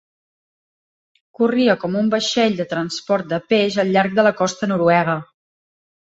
Corria com un vaixell de transport de peix al llarg de la costa noruega.